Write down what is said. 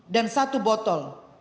dan satu botol